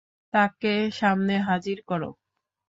তাকে সামনে হাজির কর।